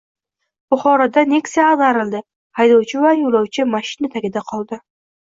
Buxoroda Nexia ag‘darildi, haydovchi va yo‘lovchi mashina tagida qoldi